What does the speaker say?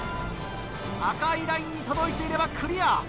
赤いラインに届いていればクリア。